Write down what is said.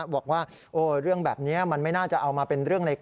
บอกว่าเรื่องแบบนี้มันไม่น่าจะเอามาเป็นเรื่องใน